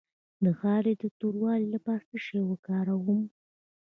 د غاړې د توروالي لپاره څه شی وکاروم؟